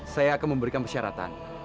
saya akan memberikan persyaratan